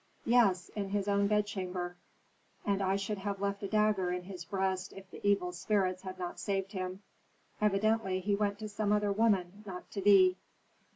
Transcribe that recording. "Yes; in his own bedchamber. And I should have left a dagger in his breast if the evil spirits had not saved him. Evidently he went to some other woman, not to thee."